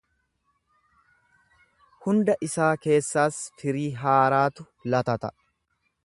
Hunda isaa keessaas firii haaraatu latata.